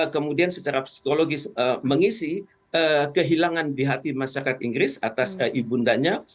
kemudian secara psikologis mengisi kehilangan di hati masyarakat inggris atas ibundanya